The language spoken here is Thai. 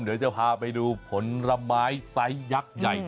เดี๋ยวจะพาไปดูผลไม้ไซส์ยักษ์ใหญ่